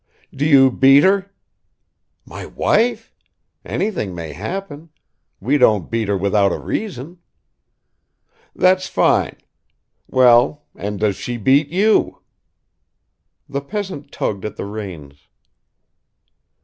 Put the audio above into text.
"Do you beat her?" "My wife? Anything may happen. We don't beat her without a reason." "That's fine. Well, and does she beat you?" The peasant tugged at the reins.